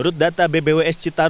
bersama dengan kolam retensi ciendir